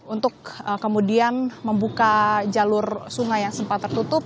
untuk kemudian membuka jalur sungai yang sempat tertutup